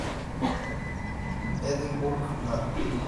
Edinburgh; Nat.